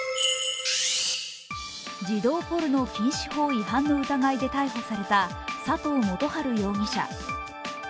児童ポルノ禁止法違反の疑いで逮捕された佐藤元春容疑者。